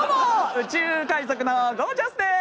宇宙海賊のゴー☆ジャスです。